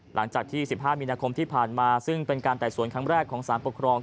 หลังจากที่๑๕มีนาคมที่ผ่านมาซึ่งเป็นการไต่สวนครั้งแรกของสารปกครอง